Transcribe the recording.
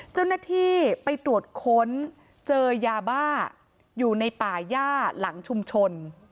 เจ้าหน้าที่ไปตรวจค้นเจอยาบ้าอยู่ในป่าย่าหลังชุมชน